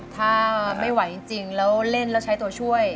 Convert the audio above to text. ถ้าไม่ไหวจริงแล้วเล่นแล้วใช้ตัวช่วย